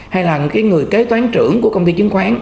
hay là những người kế toán trưởng của công ty chứng khoán